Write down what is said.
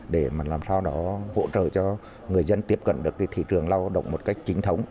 để làm sao đó hỗ trợ cho người dân tiếp cận được thị trường lao động một cách chính thống